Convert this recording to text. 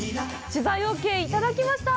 取材オーケーいただきました！